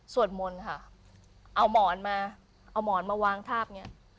มนต์ค่ะเอาหมอนมาเอาหมอนมาวางทาบเนี้ย